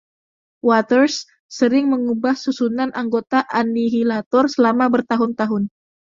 Waters sering mengubah susunan anggota Annihilator selama bertahun-tahun.